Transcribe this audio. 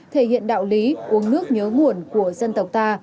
thể hiện đạo lý uống nước nhớ nguồn của dân tộc ta